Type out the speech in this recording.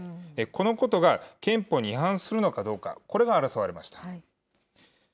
このことが憲法に違反するのかどうか、これが争われました。